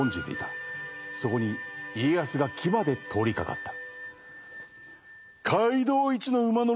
そこに家康が騎馬で通りかかった。